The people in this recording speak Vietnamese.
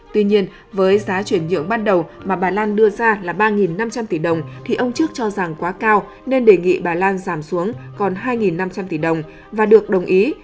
tuy nhiên với giá chuyển nhượng ban đầu mà bà lan đưa ra là ba năm trăm linh tỷ đồng thì ông trước cho rằng quá cao nên đề nghị bà lan giảm xuống còn hai năm trăm linh tỷ đồng và được đồng ý